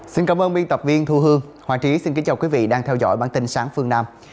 xin cảm ơn biên tập viên thu hương hoàng trí xin kính chào quý vị đang theo dõi bản tin sáng phương nam